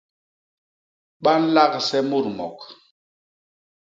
Ba nlagse mut mok.